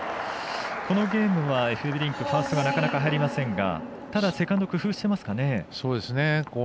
このゲームはエフベリンクファーストなかなか入りませんがただ、セカンド工夫してますかね。